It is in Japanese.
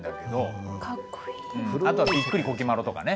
あとは「びっくりこきまろ」とかね。